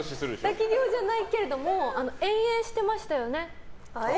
滝行じゃないけれども遠泳してましたよね。